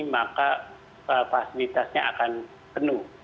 maka fasilitasnya akan penuh